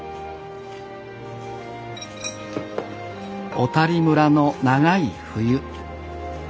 小谷村の長い冬。